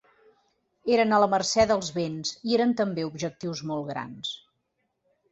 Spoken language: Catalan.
Eren a la mercè dels vents i eren també objectius molt grans.